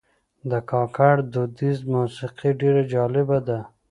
د کاکړ دودیزه موسیقي ډېر جذابه ده.